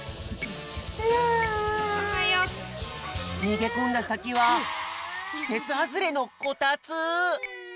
にげこんださきはきせつはずれのコタツ！